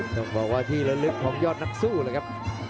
ต้องบอกว่าที่ละลึกของยอดนักสู้เลยครับ